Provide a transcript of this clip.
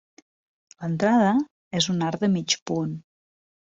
L'entrada és en arc de mig punt.